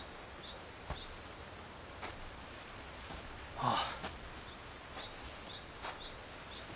ああ。